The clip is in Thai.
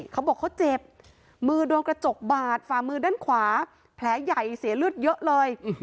เขาบอกเขาเจ็บมือโดนกระจกบาดฝ่ามือด้านขวาแผลใหญ่เสียเลือดเยอะเลย